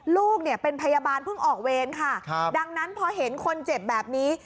ลูกเนี่ยเป็นพยาบาลเพิ่งออกเวรค่ะดังนั้นพอเห็นคนเจ็บแบบนี้